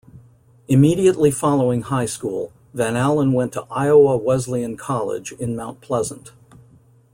Immediately following high school, Van Allen went to Iowa Wesleyan College in Mount Pleasant.